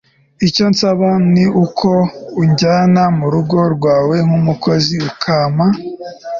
icyo nsaba ni uko unjyana mu rugo rwawe, nk'umukozi, ukampa